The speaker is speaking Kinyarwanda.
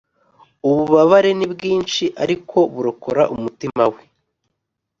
ububabare ni bwinshi ariko burokora umutima we